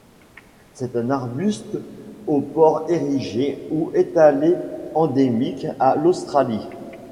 C'est un arbuste au port érigé ou étalé endémique à l'Australie.